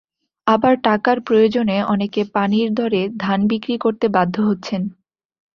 আবার টাকার প্রয়োজনে অনেকে পানির দরে ধান বিক্রি করতে বাধ্য হচ্ছেন।